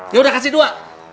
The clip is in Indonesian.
ya udah kasih dua